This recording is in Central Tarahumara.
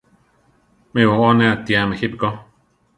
Mí boʼó ne atíame jípi ko.